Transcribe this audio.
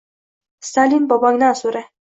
— Stalin bobongdan so’ra!..